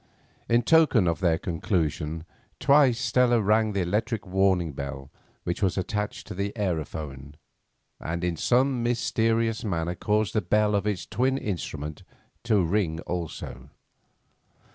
In token of their conclusion twice Stella rang the electric warning bell which was attached to the aerophone, and in some mysterious manner caused the bell of its twin instrument to ring also.